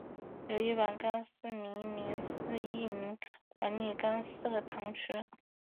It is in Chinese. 由一百廿四名司铎名管理廿四个堂区。